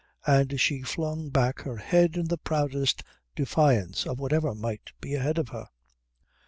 And she flung back her head in the proudest defiance of whatever might be ahead of her.